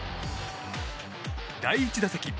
第１打席。